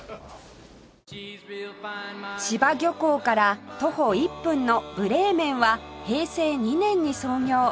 柴漁港から徒歩１分のブレーメンは平成２年に創業